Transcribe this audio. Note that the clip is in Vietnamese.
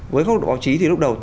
với các báo chí thì lúc đầu